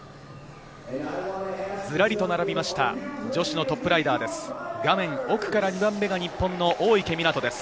ずらりと並びました女子のトップライダーです。